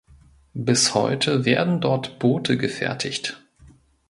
Bis heute werden dort Boote gefertigt.